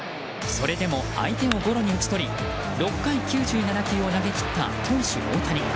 それでも相手をゴロに打ち取り６回９７球を投げ切った投手・大谷。